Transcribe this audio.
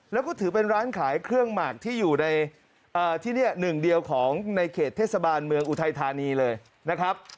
แล้วก็ถือเป็นร้านขายเครื่องหมากที่อยู่ในที่นี่หนึ่งเดียวของในเขตเทศบาลเมืองอุทัยธานีเลยนะครับ